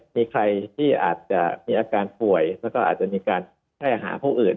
มีใครที่อาจจะมีอาการป่วยแล้วก็อาจจะมีการแพร่หาผู้อื่น